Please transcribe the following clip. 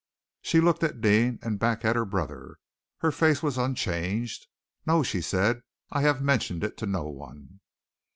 She looked at Deane and back at her brother. Her face was unchanged. "No!" she said. "I have mentioned it to no one."